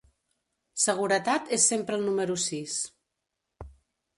Seguretat és sempre el número sis.